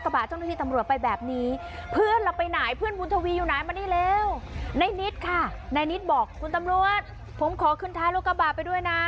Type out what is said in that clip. ผมไม่เคยกินเหล้า